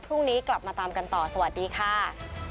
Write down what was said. พรุ่งนี้กลับมาตามกันต่อสวัสดีค่ะ